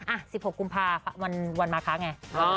อ่ะ๑๖กุมภาพันธุ์วันมาคะไง